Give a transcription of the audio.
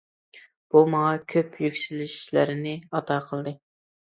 بۇ ماڭا كۆپ يۈكسىلىشلەرنى ئاتا قىلدى.